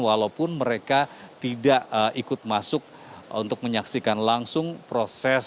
walaupun mereka tidak ikut masuk untuk menyaksikan langsung proses